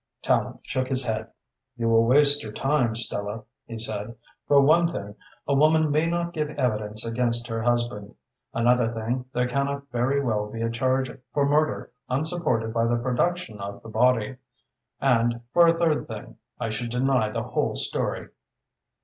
Tallente shook his head. "You will waste your time, Stella," he said. "For one thing, a woman may not give evidence against her husband. Another thing, there cannot very well be a charge for murder unsupported by the production of the body. And for a third thing, I should deny the whole story."